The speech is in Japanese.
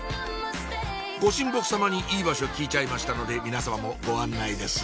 御神木さまにいい場所聞いちゃいましたので皆さまもご案内です